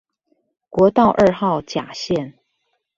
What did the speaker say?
國道二號甲線